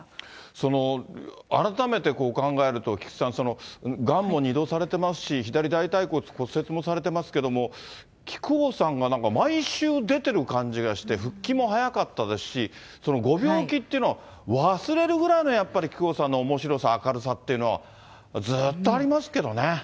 その改めて、考えると菊池さん、がんも２度されていますし、左大腿骨骨折もされていますけれども、木久扇さんが毎週出てる感じがして、復帰も早かったですし、ご病気っていうのは、忘れるぐらいのやっぱり木久扇さんのおもしろさ、明るさっていうのは、ずっとありますけどね。